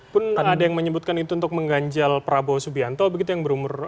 pun ada yang menyebutkan itu untuk mengganjal prabowo subianto begitu yang berumur tujuh belas dua puluh satu